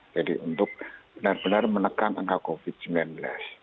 jadi untuk benar benar menekan angka covid sembilan belas